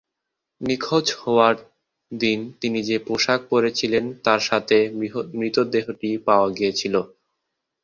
নিখোঁজ হওয়ার দিন তিনি যে পোশাক পরেছিলেন তার সাথে মৃতদেহটি পাওয়া গিয়েছিল।